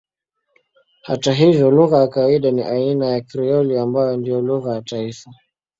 Hata hivyo lugha ya kawaida ni aina ya Krioli ambayo ndiyo lugha ya taifa.